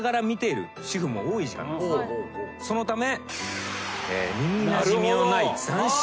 そのため。